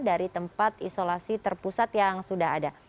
dari tempat isolasi terpusat yang sudah ada